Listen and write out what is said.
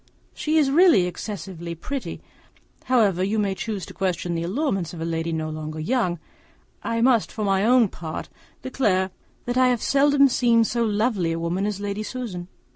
She is really excessively pretty; however you may choose to question the allurements of a lady no longer young, I must, for my own part, declare that I have seldom seen so lovely a woman as Lady Susan.